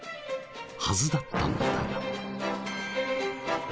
［はずだったのだが］